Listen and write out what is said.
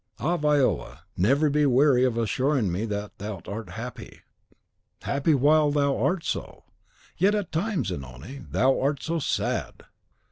Ah, Viola, never be weary of assuring me that thou art happy!" "Happy while thou art so. Yet at times, Zanoni, thou art so sad!"